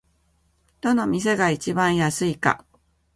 どの店が一番安いか